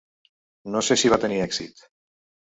No sé si va tenir èxit.